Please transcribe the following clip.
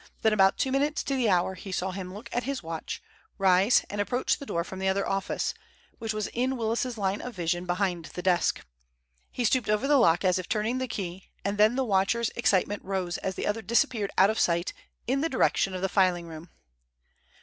Then about two minutes to the hour he saw him look at his watch, rise, and approach the door from the other office, which was in Willis's line of vision behind the desk. He stooped over the lock as if turning the key, and then the watcher's excitement rose as the other disappeared out of sight in the direction of the filing room.